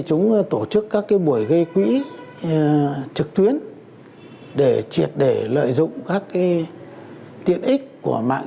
chúng tổ chức các buổi gây quỹ trực tuyến để triệt để lợi dụng các tiện ích của mạng